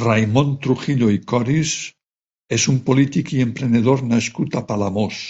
Raimon Trujillo i Coris és un polític i emprenedor nascut a Palamós.